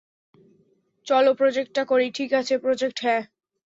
চল প্রজেক্টটা করি -ঠিক আছে, প্রজেক্ট হ্যাঁ।